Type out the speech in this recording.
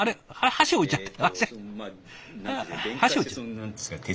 箸置いちゃった。